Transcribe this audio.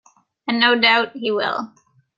And no doubt he will.